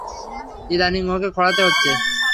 ইদানীং ওকে খোঁড়াতে দেখেছ?